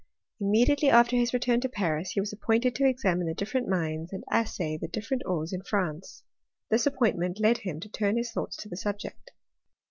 Immediately after hu return to Pans he was appointed to examine the different mines and assay the different ores in, France ; this appointment led him to torn his thoughts to the subject.